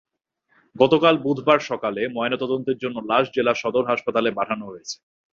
গতকাল বুধবার সকালে ময়নাতদন্তের জন্য লাশ জেলা সদর হাসপাতালে পাঠানো হয়েছে।